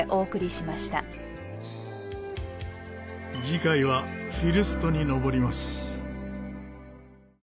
次回はフィルストに登ります。